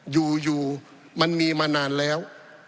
อยู่มันมีมานานแล้ว